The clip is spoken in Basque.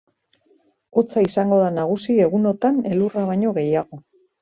Hotza izango da nagusi egunotan elurra baino gehiago.